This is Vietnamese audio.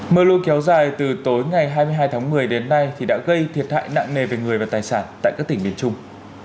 mưa lâu kéo dài từ tối ngày hai mươi hai tháng một mươi đến nay thì đã gây thiệt hại nặng nề về người và tài sản tại các tỉnh miền trung